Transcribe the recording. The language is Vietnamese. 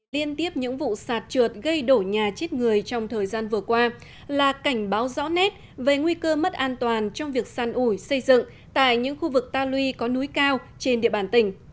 liên tiếp những vụ sạt trượt gây đổ nhà chết người trong thời gian vừa qua là cảnh báo rõ nét về nguy cơ mất an toàn trong việc săn ủi xây dựng tại những khu vực ta lui có núi cao trên địa bàn tỉnh